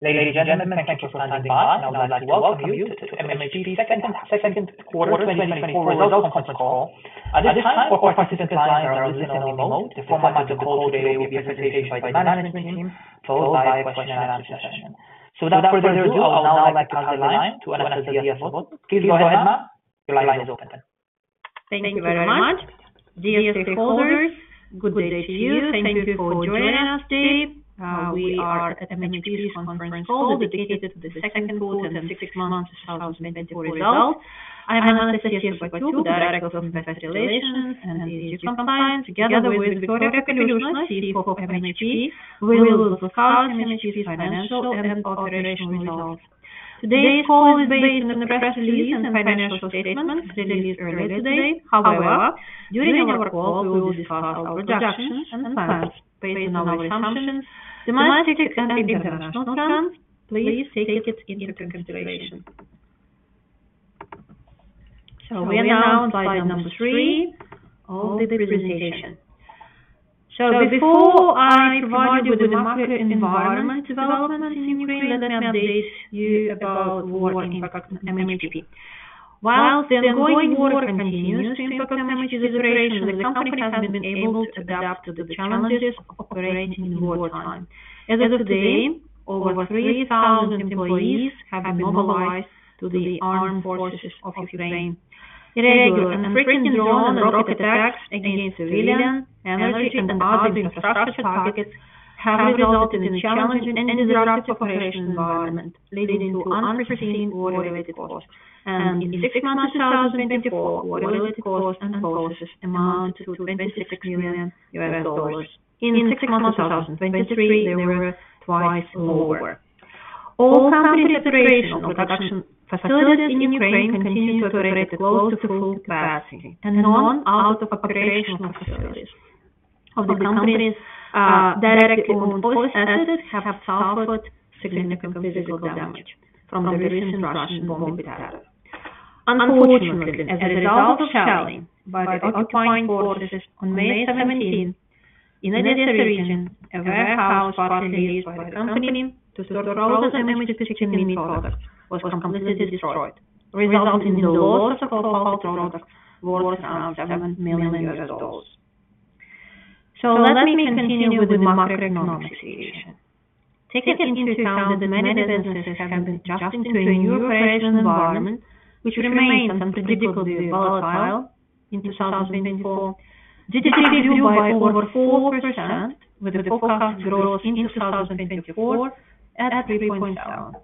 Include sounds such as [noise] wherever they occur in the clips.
Ladies and gentlemen, thank you for standing by. I would like to welcome you to MHP's Second Quarter 2024 Results Conference Call. At this time, all participant lines are in listen-only mode. The format of the call today will be a presentation by the management team, followed by a question and answer session. So without further ado, I would now like to pass the line to Anna Sobotyuk. Please go ahead, Anna. The line is open. Thank you very much. Dear stakeholders, good day to you. Thank you for joining us today. We are at MHP's conference call, dedicated to the second quarter and six months of 2024 results. I am Anna Sobotyuk, Director of Investor Relations and ESG Compliance, together with Viktoria Kapelyushna, CFO for MHP. We will discuss MHP's financial and operational results. Today's call is based on the press release and financial statements released earlier today. However, during our call, we will discuss our projections and plans based on our assumptions, domestic and international terms. Please take it into consideration. We are now on slide number three of the presentation. Before I provide you with the macro environment developments in Ukraine, let me update you about war impact on MHP. While the ongoing war continues to impact MHP's operation, the company has been able to adapt to the challenges of operating in wartime. As of today, over 3,000 employees have been mobilized to the Armed Forces of Ukraine. Irregular and frequent drone and rocket attacks against civilian, energy, and other infrastructure targets have resulted in a challenging and disruptive operating environment, leading to unprecedented war-related costs. In the six months of 2024, war-related costs and losses amounted to $26 million. In six months of 2023, they were twice lower. All company operational production facilities in Ukraine continue to operate close to full capacity, and none out of operational facilities of the company's directly owned four assets have suffered significant physical damage from the recent Russian bombing attacks. Unfortunately, as a result of shelling by the occupying forces on May 17th, in the Odesa region, a warehouse partly used by the company to store frozen MHP chicken meat products was completely destroyed, resulting in the loss of our poultry products worth around $7 million. So let me continue with the macroeconomic situation. Taking into account that many businesses have been adjusting to a new operational environment, which remains unpredictable and volatile in 2024, GDP grew by over 4%, with the forecast growth in 2024 at 3.7%.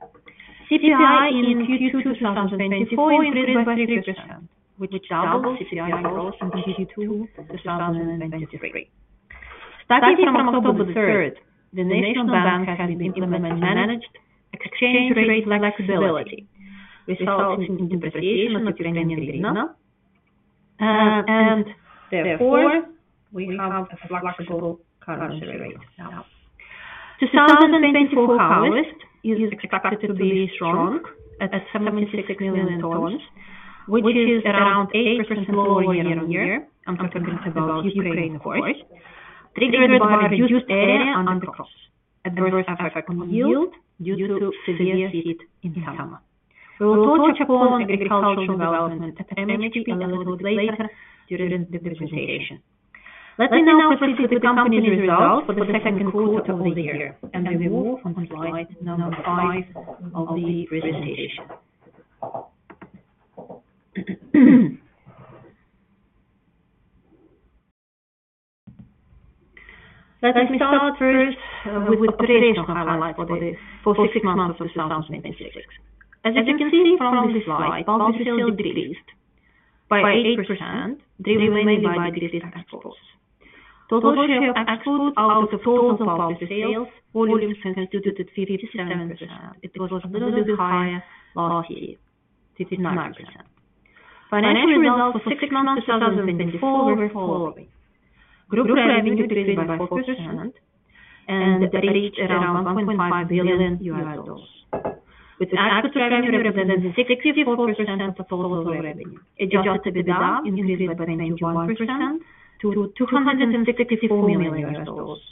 CPI in Q2 2024 increased by 3%, which doubles CPI growth from Q2 2023. Starting from October 3rd, the National Bank has been implementing managed exchange rate flexibility, resulting in depreciation of Ukrainian hryvnia. And therefore, we have a flexible currency rate now. 2024 harvest is expected to be strong at 76 million tons, which is around 8% lower year-on-year. I'm talking about Ukraine, of course. Triggered by reduced area under crops and adverse effect on yield due to severe heat in summer. We will touch upon agricultural development at MHP a little bit later during the presentation. Let me now proceed to the company's results for the second quarter of the year, and we move on to slide number five of the presentation. Let me start first with operational highlights for six months of 2023. As you can see from this slide, our sales decreased by 8%, mainly by decreased exports. Total share of export out of total Poultry sales volumes contributed to 57%. It was a little bit higher last year, 59%. Financial results for six months 2024 were as following: group revenue increased by 4% and reached around $1.5 billion, with export revenue representing 64% of total revenue. Adjusted EBITDA increased by 21% to $264 million,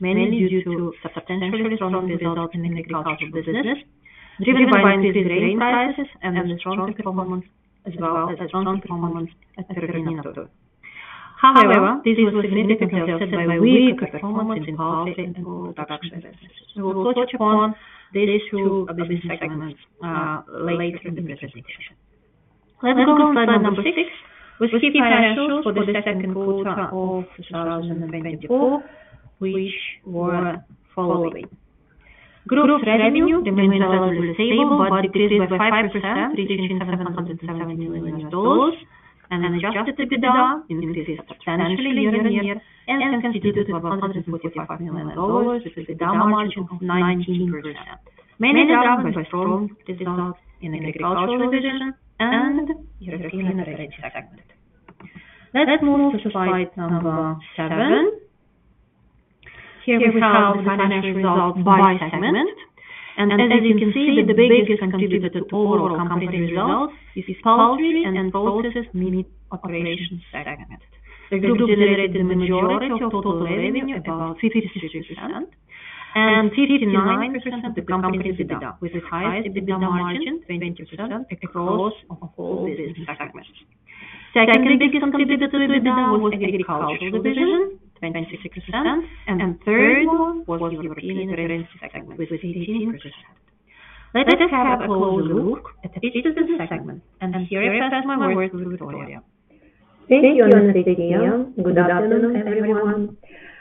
mainly due to substantially strong results in the agricultural business, driven by increased grain prices and the strong performance, as well as strong performance at Perutnina Ptuj. However, this was significantly offset by weaker performance in Poultry and Pork Production businesses. So we'll touch upon these two business segments later in the presentation. Let's go on to slide number six, with key financials for the second quarter of 2024, which were following. Group revenue remained relatively stable but decreased by 5%, reaching $770 million, and Adjusted EBITDA increased substantially year-on-year and constituted $145 million, which is EBITDA margin of 19%, mainly driven by strong results in agricultural division and European retail segment. Let's move to slide number seven. Here we have the financial results by segment, and as you can see, the biggest contributor to overall company results is Poultry and Processed Meat Operations segment. We generated the majority of total revenue, about 53%, and 59% of the company's EBITDA, with the highest EBITDA margin, 20%, across all business segments. Second biggest contributor to EBITDA was the agricultural division, 26%, and third was the European Operations segment, with 18%. Let us have a close look at each business segment, and here I pass my words to Viktoria. Thank you, Anastasiya. Good afternoon, everyone.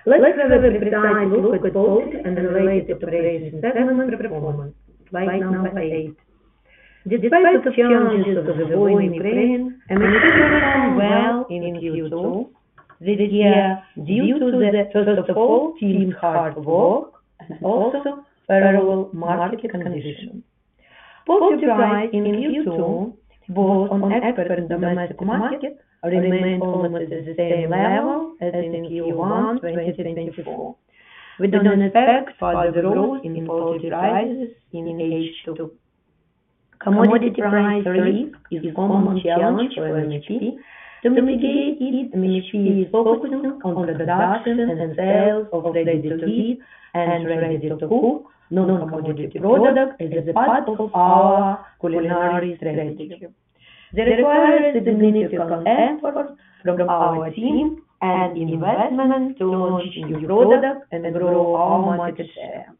Let's have a detailed look at both and related operation segment performance. Slide number eight. Despite the challenges of the war in Ukraine, MHP performed well in Q2 this year, due to the, first of all, team hard work and also favorable market conditions. Poultry price in Q2, both on export and domestic market, remained almost at the same level as in Q1 2024. We do not expect further growth in poultry prices in H2. Commodity price risk is one more challenge for MHP. To mitigate it, MHP is focusing on the production and sales of ready-to-eat and ready-to-cook, non-commodity product, as a part of our culinary strategy. This requires a significant effort from our team and investment to launch new product and grow our market share.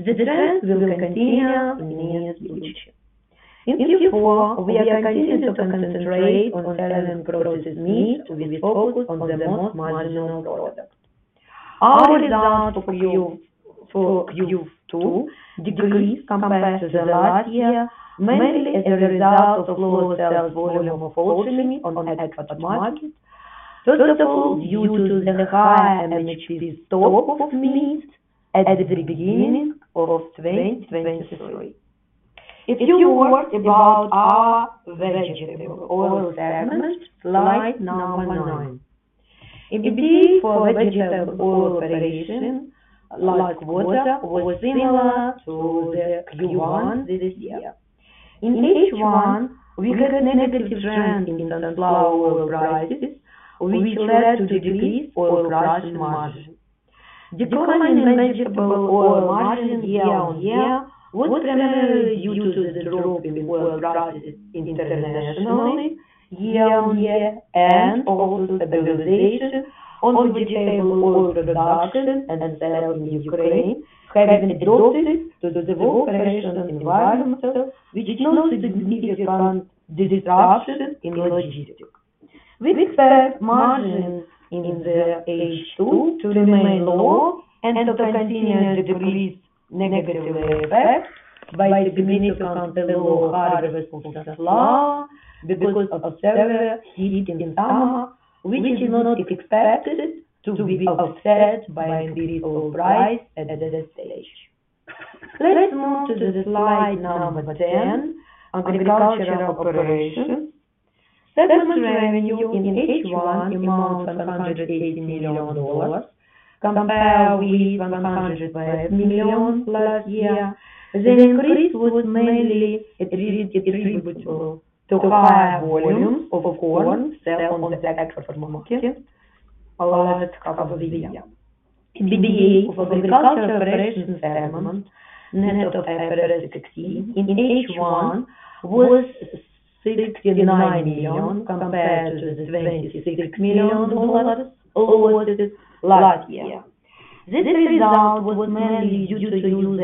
The trend will continue in the near future. In Q4, we are continuing to concentrate on selling processed meat, with focus on the most marginal product. Our results for Q2 decreased compared to the last year, mainly as a result of lower sales volume of poultry on the export market. First of all, due to the higher MHP stock of meat at the beginning of 2023. A few words about our vegetable oil segment, slide number nine. EBITDA for vegetable oil operation, last quarter, was similar to the Q1 this year. In H1, we had a negative trend in sunflower oil prices, which led to decrease oil processing margin. Declining vegetable oil margin year-on-year was primarily due to the drop in oil prices internationally, year-on-year, and also stabilization on vegetable oil production and sales in Ukraine, having adapted to the war operational environment, which did not significant disruption in logistics. We expect margins in the H2 to remain low and to continue to decrease negatively affected by the significant low harvest of sunflower, because of severe heat in summer, which is not expected to be offset by increased oil price at this stage. Let's move to the slide number 10, Agricultural Operations. Segment revenue in H1 amount to $180 million, compared with $100 million last year. This increase was mainly attributable to higher volumes of corn sold on the Black Sea market last half of the year. EBITDA for agricultural operations segment, net of IFRS 16 in H1, was $69 million, compared to the $26 million over last year. This result was mainly due to use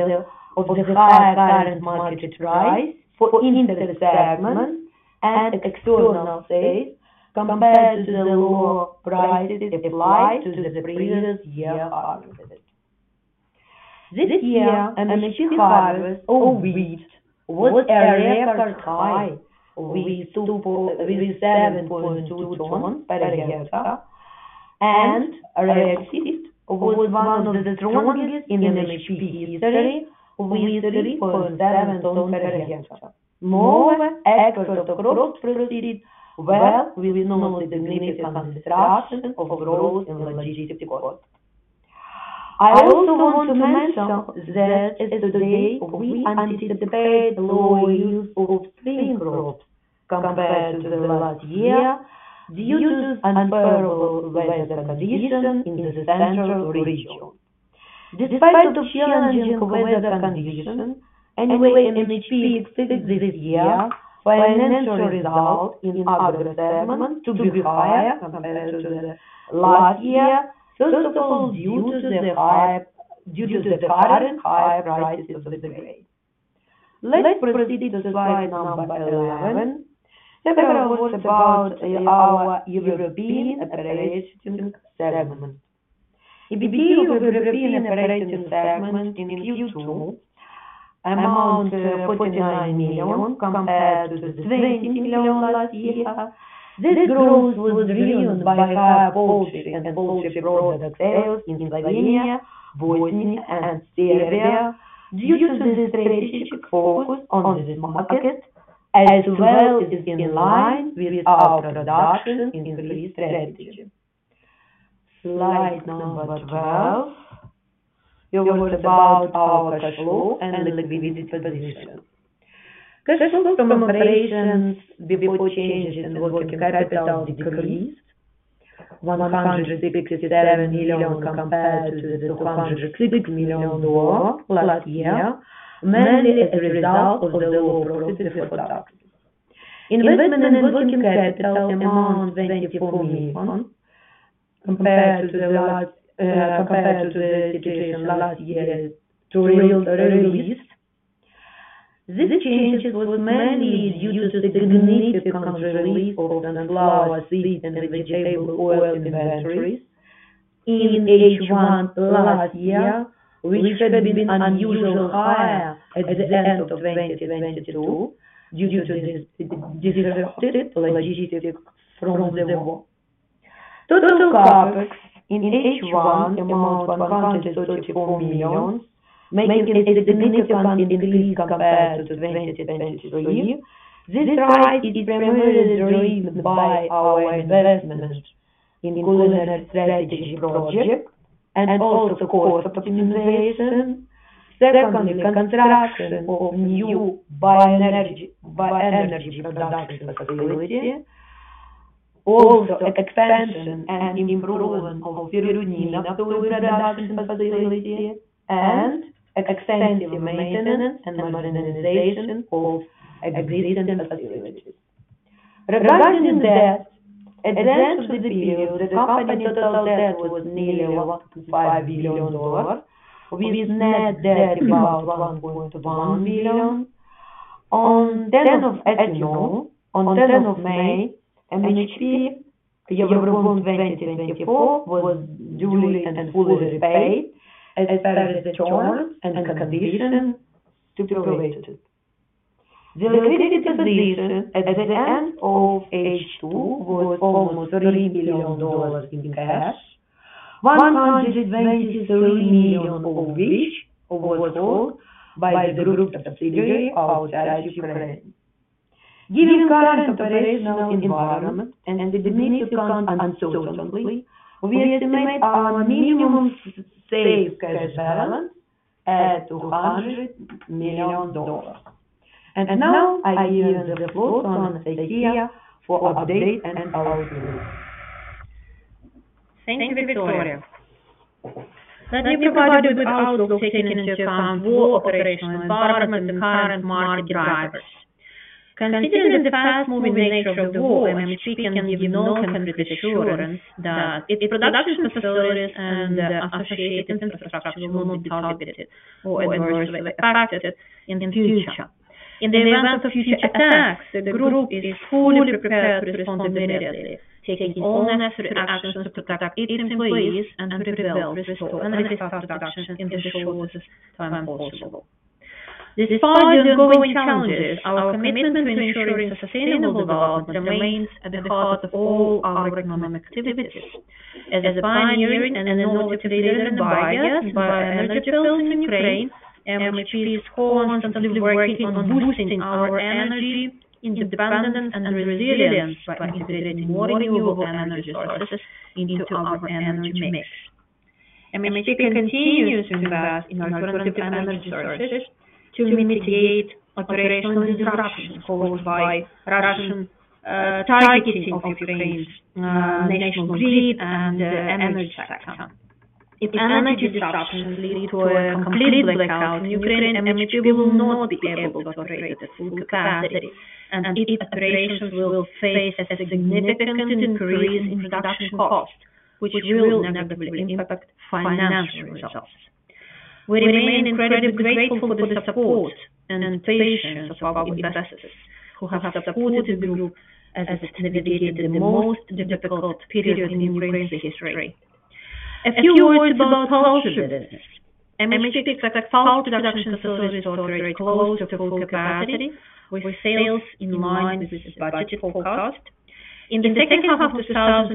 of the higher current market price for intersegment and external sales, compared to the lower prices applied to the previous year harvest. This year, MHP's harvest of wheat was a record high, with 7.2 tons per hectare, and rapeseed was one of the strongest in MHP history, with 3.7 tons per hectare. Moreover, export of crops proceeded well, with no significant disruption of growth in logistics cost. I also want to mention that as of today, we anticipate lower yields of spring crops compared to the last year, due to unfavorable weather conditions in the central region. Despite of the challenging weather condition, anyway, MHP expects this year for financial result in agriculture segment to be higher compared to the last year. First of all, due to the current high prices of the grain. Let's proceed to slide number 11. Several words about our European Operations segment. EBITDA of European operations segment in Q2 amounts to $49 million, compared to the $20 million last year. This growth was driven by higher poultry and poultry product sales in Slovenia, Bosnia, and Serbia, due to the strategic focus on this market, as well as in line with our production increase strategy. Slide number 12. Your words about our cash flow and liquidity position. Cash flows from operations before changes in working capital decreased 167 million compared to the $206 million last year, mainly as a result of the low profit for products. Investment in working capital amounts $24 million compared to the last, compared to the situation last year to total release. This change was mainly due to significant release of the sunflower seeds and the vegetable oil inventories in H1 last year, which had been unusually higher at the end of 2022, due to the disrupted logistics from the war. Total CapEx in H1 amounts $134 million, making a significant increase compared to 2023. This rise is primarily driven by our investment in culinary strategy project and also cost optimization. Secondly, construction of new bioenergy production facility, also expansion and improvement of Perutnina Ptuj production facility and extensive maintenance and modernization of existing facilities. Regarding debt, at the end of the period, the company total debt was nearly $1.5 billion, with net debt about $1.1 billion. As you know, on May 10th, MHP Eurobond 2024 was duly and fully paid as per the terms and conditions stipulated. The liquidity position at the end of H2 was almost $3 billion in cash, $123 million of which was held by the group subsidiary of Perutnina Ptuj. Given current operational environment and the significant uncertainty, we estimate our minimum safe cash balance at $200 million. And now I give the floor to Anastasiya for update and outlook. Thank you, Viktoria. Let me provide you with our take into account war, operational environment, and current market drivers. Considering the fast-moving nature of the war, MHP can give no concrete assurance that its production facilities and associated infrastructure will not be targeted or adversely affected in future. In the event of future attacks, the group is fully prepared to respond immediately, taking all necessary actions to protect its employees and to develop, restore, and restart production in the shortest time possible. Despite the ongoing challenges, our commitment to ensuring sustainable development remains at the heart of all our economic activities. As a pioneering and innovative data buyer in bioenergy fields in Ukraine, MHP is constantly working on boosting our energy, independence, and resilience by integrating more renewable energy sources into our energy mix. MHP continues to invest in alternative energy sources to mitigate operational disruptions caused by Russian targeting of Ukraine's national grid and energy sector. If energy disruptions lead to a complete blackout in Ukraine, MHP will not be able to operate at full capacity, and its operations will face a significant increase in production cost, which will negatively impact financial results. We remain incredibly grateful for the support and patience of our investors, who have supported the group as it navigated the most difficult periods in Ukraine's history. A few words about Poultry business. MHP expects its production facilities to operate close to full capacity, with sales in line with budget forecast. In the second half of 2024,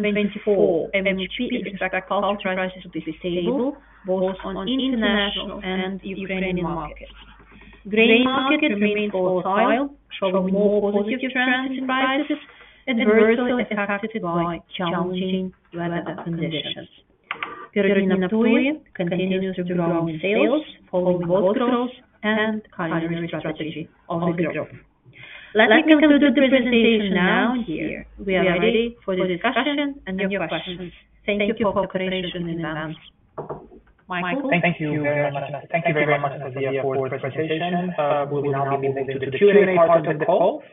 MHP expects poultry prices to be stable, both on international and Ukrainian markets. Grain market remains volatile, showing more positive trends in prices, adversely affected by challenging weather conditions. Perutnina Ptuj continues to grow in sales, holding both growth and culinary strategy of the group. Let me conclude the presentation now here. We are ready for the discussion and your questions. Thank you for your cooperation in advance. Michael? Thank you very much. Thank you very much, Anastasiya, for the presentation. We will now be moving to the Q&A part of the call.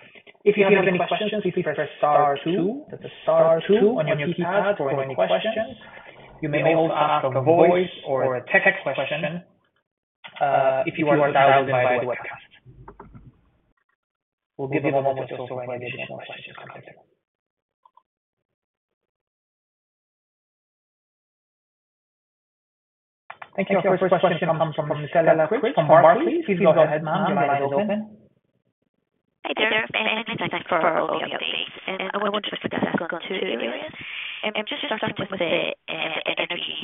If you have any questions, please press star two, star two on your keypad for any questions. You may also ask a voice or a text question, if you are dialed in by the webcast. We'll give a moment or so for any additional questions to come in. Thank you. Our first question comes from Stella Cridge from Barclays. Please go ahead, ma'am. Your line is open. Hi there, and many thanks for all the updates. And I want just to tackle two areas. Just starting with the energy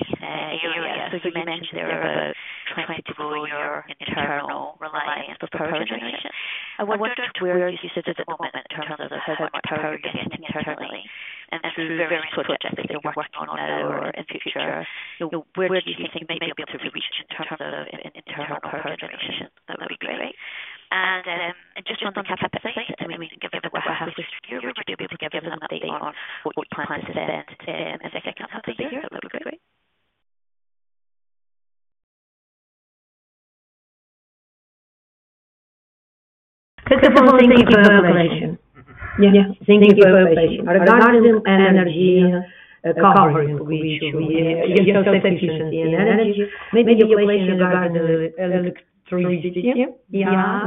you mentioned there about trying to grow your internal reliance for power generation. I wondered where you sit at the moment in terms of how much power you're getting internally and through various projects that you're working on now or in the future? You know, where do you think you may be able to reach in terms of internal power generation? That would be great. And, just on the CapEx side I mean, we can give it the half year, would you be able to give us an update on what you plan to spend on the second half of the year? That would be great. First of all, thank you for the questionn. Yeah, thank you for the question. Regarding energy coverage, which we get self-sufficiency in energy, maybe a question about the electricity. Yeah,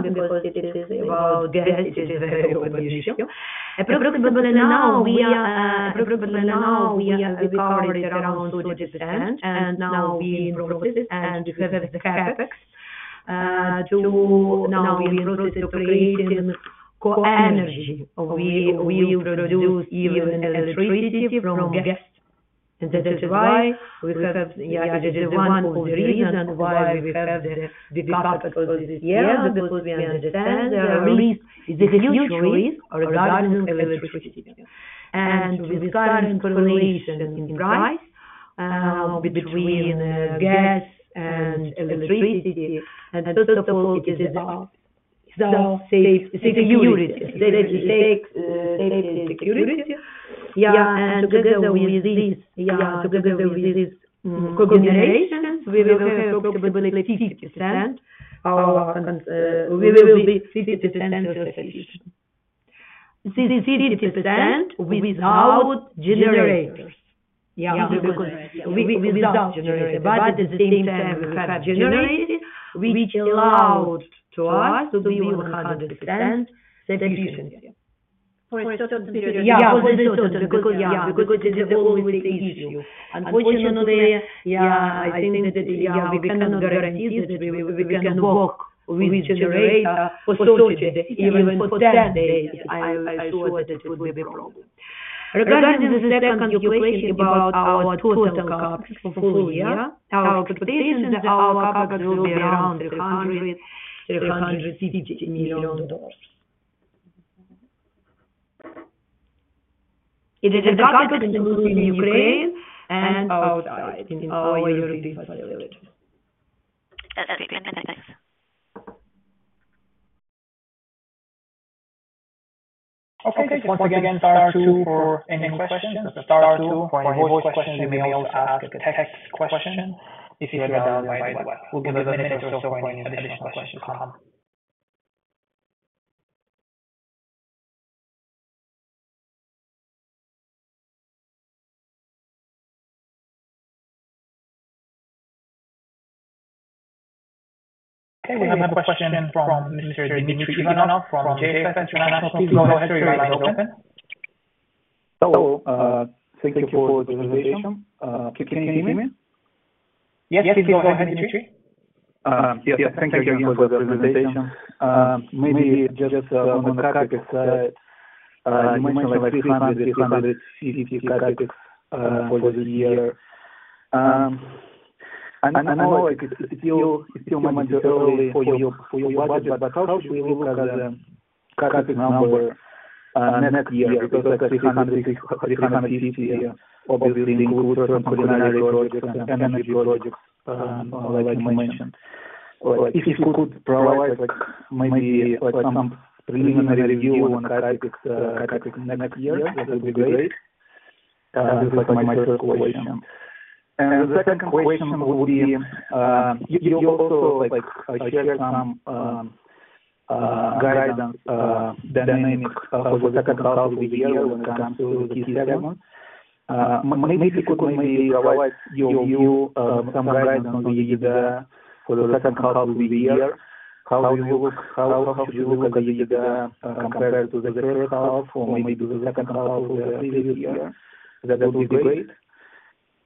because it is about gas, it is a very open issue. But now we have recovered around 40%, and now we are in process and have the CapEx to create co-generation. We will produce even electricity from gas. And that is why we have. Yeah, this is one of the reason why we have the CapEx for this year, because we understand there are at least this new risk regarding electricity. And we see a correlation in price between gas and electricity, and first of all, it is self-sufficiency, safety, security. Yeah, and together with this combination, we will have probably 50%. We will be 50% association. 50% without generators. Yeah, because without generator, but at the same time, we have generator, which allowed to us to be 100% efficient. Yeah, because it is always the issue. Unfortunately, yeah, I think that, yeah, we cannot guarantee that we can work with generator for 30 days, even for 10 days. I sure that it would be a problem. Regarding the second question about our total CapEx for full year, our expectations are CapEx will be around $300 million-$350 million. It is a CapEx including Ukraine and outside in all European facilities. That's great, thanks. Okay, once again, star two for any questions. Star two for any voice questions. You may also ask a text question if you are dialed by web. We'll give a minute or so for any additional questions to come. Okay, we have a question from Mr. Dmitry Ivanov from JFS International. Please go ahead, your line is open. Thank you for the presentation. Can you hear me? Yes, please go ahead, Dmitry. Yes, thank you again for the presentation. Maybe just on the CapEx side, you mentioned like $300 million-$350 million CapEx for the year. I know it still much early for your budget, but how should we look at the CapEx number next year? Because $300 million-$350 million obviously includes some primary projects and energy projects, like you mentioned. If you could provide, like, maybe like some preliminary view on the CapEx next year, that would be great. This is like my first question, and the second question would be, you also like share some guidance dynamic for the second half of the year when it comes to Q segment. Maybe you could provide your view, some guidance on the EBITDA for the second half of the year. How should you look at the EBITDA compared to the first half or maybe the second half of the previous year? That would be great.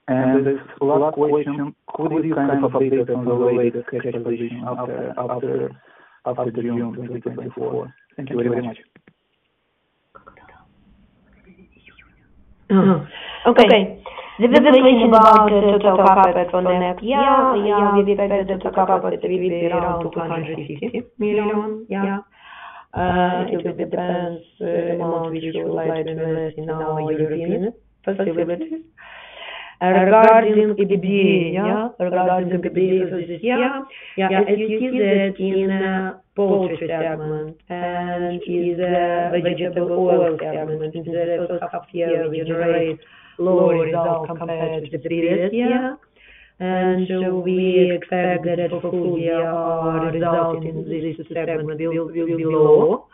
And the last question, could you kind of update us on the latest schedule position after June 2024? Thank you very much. Okay. The question about the total CapEx for next year. Yeah, we expect the total CapEx will be around $250 million. Yeah. It will depend on the amount which you would like to invest in our European facilities. Regarding EBITDA, regarding the EBITDA for this year, yeah, as you see that in Poultry segment and in Vegetable Oil segment, in the first half year, we generate lower results compared to the previous year. And so we expect that for full year, our result in this segment will be low.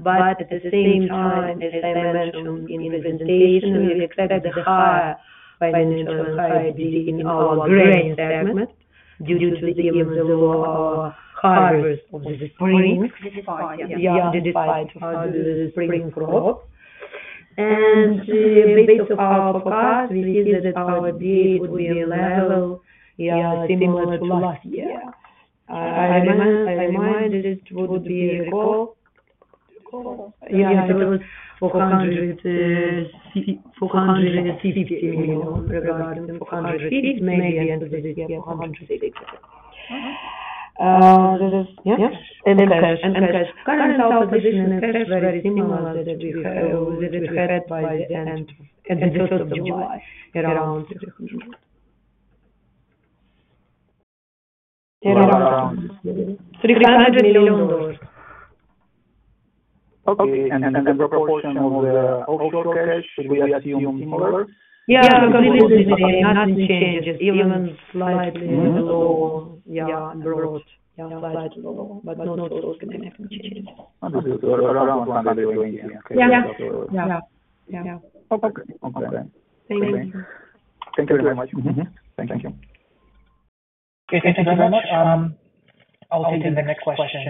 But at the same time, as I mentioned in the presentation, we expect the higher financial, higher EBITDA in our Grain segment, due to the harvest of the spring. Yeah, despite how the spring growth. And based on our forecast, we see that our EBITDA will be level, yeah, similar to last year. I remind this would be a growth. Yeah, it was $450 million regarding $450 million, maybe at the end of the year, $460 million. That is, yeah. And that current position is very similar that we have that we had by the end, at the end of July, around $300 million. Okay, and the proportion of the cash, should we assume lower? Yeah, completely the same, nothing changes, even slightly below, yeah, broad, yeah, slightly lower, but not going to make any changes. Understood. Around $100 million. Yeah. Yeah, yeah. Okay. Okay. Thank you very much. Mm-hmm. Thank you. Okay, thank you very much. I'll take the next question,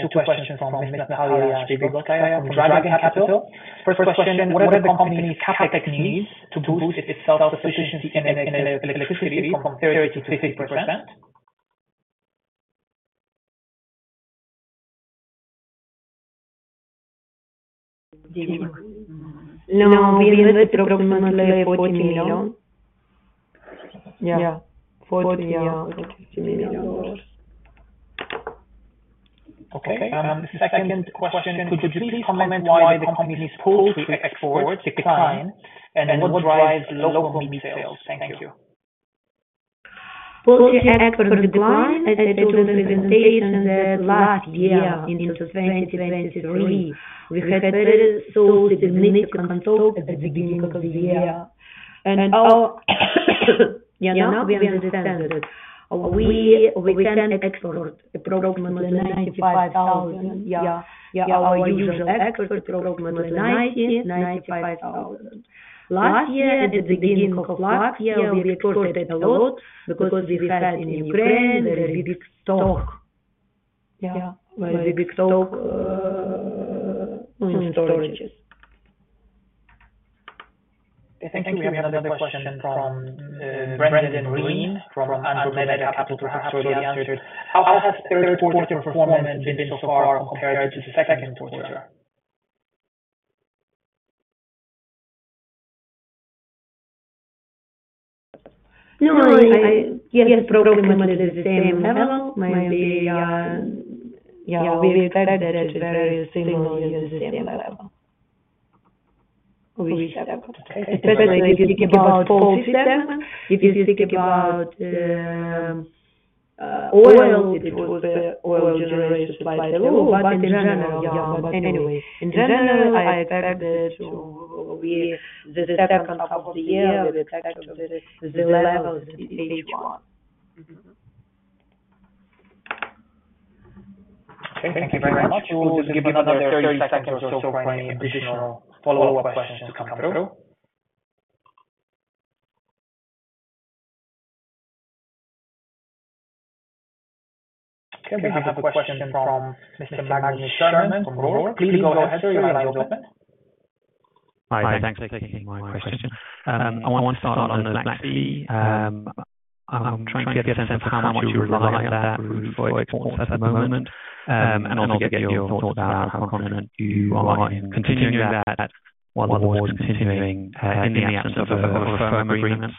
two questions from Natalia Shpygotska from Dragon Capital. First question, what are the company's CapEx needs to boost its self-sufficiency in electricity from 30%-50%? No, we need approximately $14 million. Yeah, $14 million. Okay. Second question, could you please comment why the company's poultry export decline, and what drives local meat sales? Thank you. Poultry export decline, as I told you in the presentation that last year into 2023, we had very so significant stock at the beginning of the year. Now we understand that we can export approximately 95,000. Our usual export approximately 95,000. Last year, at the beginning of last year, we exported a lot because we had in Ukraine a very big stock. Very big stock in storages. I think we have another question from Brandon Green from Andromeda Capital, perhaps already answered. How has third quarter performance been so far compared to second quarter? No. Yes, approximately the same level, maybe, yeah, we expect that it's very similar the same level. If you think about Poultry segment, if you think about oil, it was the oil generation quite low, but in general, yeah. But anyway, in general, I expect it to be the second half of the year, we expect the levels in each one. Mm-hmm. Okay, thank you very much. We'll just give you another 30 seconds or so for any additional follow-up questions to come through. Okay, we have a question from Mr. Magnus Scherman from Reorg. Please go ahead, sir. You are open. Hi, thanks for taking my question. I want to start on the Black Sea route. I'm trying to get a sense of how much you rely on that route for exports at the moment, and also get your thoughts about how confident you are in continuing that while the war is continuing, in the absence of a firm agreement.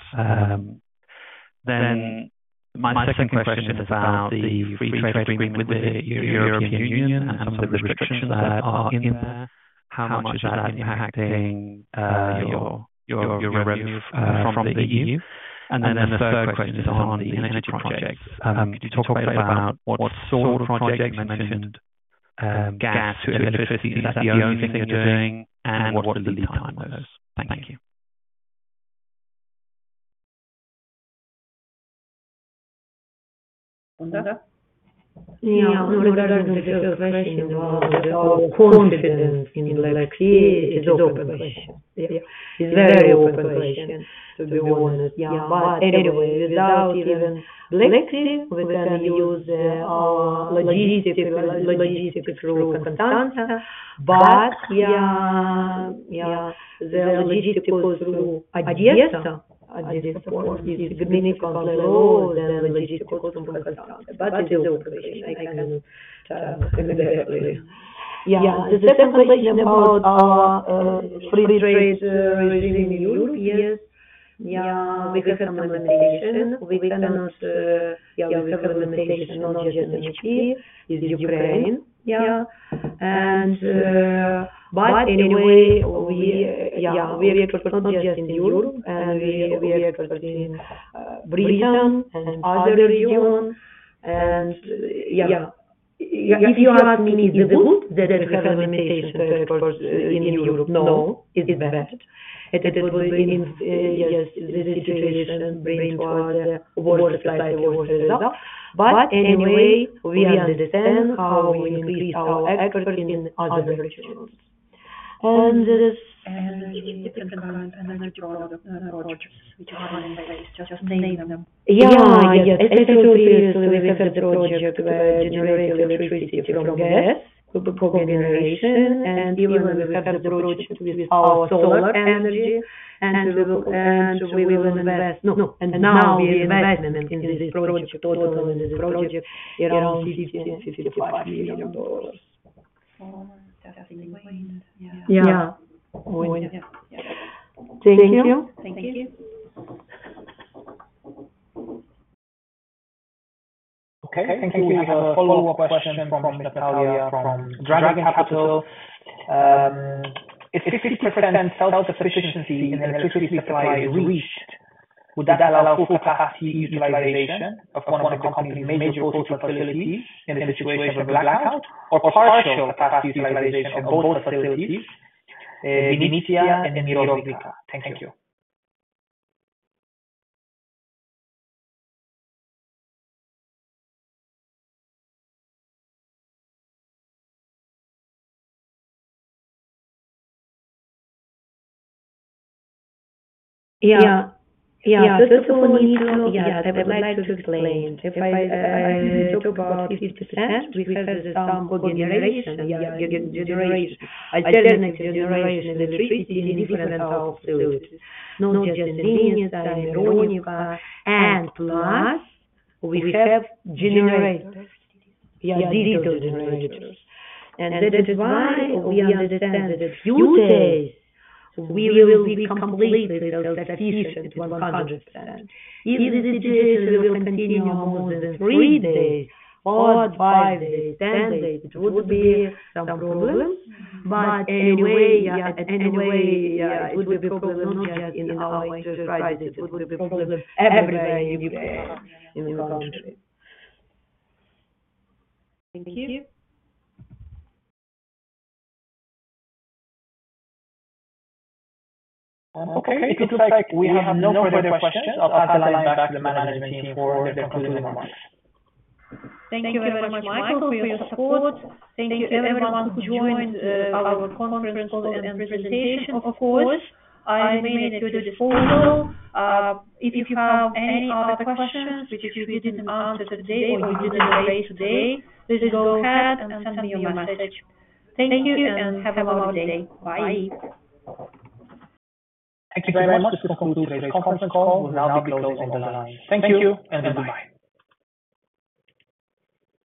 Then my second question is about the free trade agreement with the European Union and some of the restrictions that are in there. How much is that impacting your revenues from the EU? And then the third question is on the energy projects. Could you talk a bit about what sort of projects? You mentioned gas to electricity. Is that the only thing you're doing, and what are the lead times on those? Thank you. Regarding the first question about our confidence in Black Sea, it's open question. It's very open question, to be honest. But anyway, without even, [inaudible] we can use our logistics through Constanța. But the logistics through Odesa port is significantly lower than the logistics through Constanța. But it's still an open question. I can similarly. The second question about our free trade within Europe. Yes. We have some limitations. We cannot, we have limitations. And but anyway, we export in Europe and we export in Britain and other region. If you ask me, is it good that we have limitations in Europe? No, it's bad. It would be in yes, the situation bring toward the worse likely or worse result. But anyway, we understand how we increase our effort in other regions. And this... In different current energy projects which are in place, just name them. Yeah, I guess. I think previously we had a project generate electricity from gas, from generation, and even we have a project with our solar energy, and we will, and we will invest. No, and now we investment in this project, total in this project, around $50 mliion-$55 million. Yeah. Yeah. Thank you. Thank you. Okay, thank you. We have a follow-up question from Natalia, from Dragon Capital. If 60% self-sufficiency in electricity supply is reached, would that allow full capacity utilization of one of the company's major coastal facilities in the situation of a blackout, or partial capacity utilization on both facilities, in Vinnytsia and Myronivka? Thank you. Yeah. Yeah, this is what I would like to explain. If I talk about 50%, we have some co-generation. Yeah, generation, alternative generation in electricity in different our facilities, not just in Vinnytsia and Myronivka. And plus, we have generators, yeah, diesel generators. And that is why we understand that a few days, we will be completely self-sufficient to 100%. If the situation will continue more than three days or five days, 10 days, it would be some problems. But anyway, yeah, anyway, yeah, it would be a problem not just in our electricity, it would be a problem everywhere in Ukraine, in the country. Thank you. Okay. It looks like we have no further questions. I'll hand it back to the management team for their concluding remarks. Thank you very much, Michael, for your support. Thank you everyone who joined, our conference call and presentation, of course. I remain at your disposal. If you have any other questions which you didn't answer today or we didn't raise today, please go ahead and send me a message. Thank you, and have a wonderful day. Bye. Thank you very much. This concludes this conference call. We'll now be closing the line. Thank you, and goodbye.